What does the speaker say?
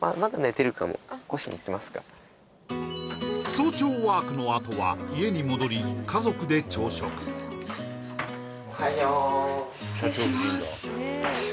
早朝ワークのあとは家に戻り家族で朝食失礼します